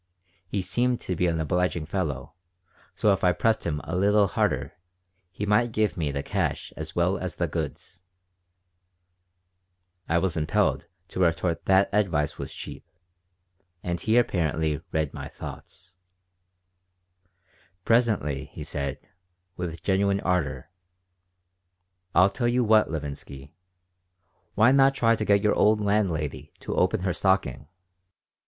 He seemed to be an obliging fellow, so if I pressed him a little harder he might give me the cash as well as the goods I was impelled to retort that advice was cheap, and he apparently read my thoughts Presently he said, with genuine ardor: "I tell you what, Levinsky. Why not try to get your old landlady to open her stocking?